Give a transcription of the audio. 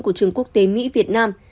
của trường quốc tế mỹ việt nam